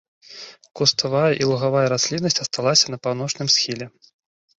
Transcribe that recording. Куставая і лугавая расліннасць асталася на паўночным схіле.